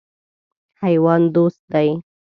حیوان دوست دی.